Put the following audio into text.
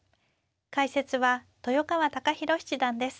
解説は豊川孝弘七段です。